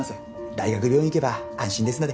大学病院に行けば安心ですので。